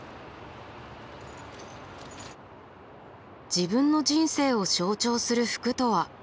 自分の人生を象徴する服とは。